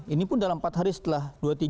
ini pun dalam empat hari setelah dua puluh tiga